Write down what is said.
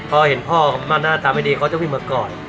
พอเห็นพ่อหน้าตาไม่ดีเขาจะวิ่งมากอด